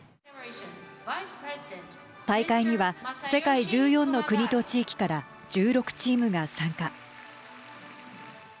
大会には世界１４の国と地域から１６チームが参加。